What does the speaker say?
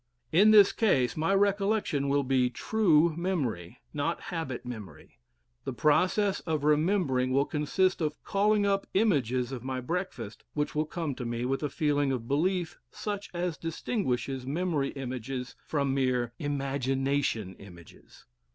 In this case my recollection will be true memory, not habit memory. The process of remembering will consist of calling up images of my breakfast, which will come to me with a feeling of belief such as distinguishes memory images from mere imagination images.